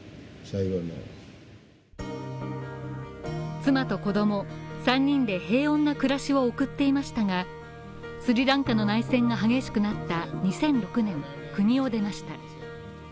妻と子供３人で平穏な暮らしを送っていましたが、スリランカ内戦が激しくなった２００６年、国を出ました。